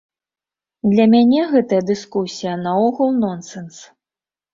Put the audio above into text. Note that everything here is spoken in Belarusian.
Для мяне гэтая дыскусія наогул нонсенс.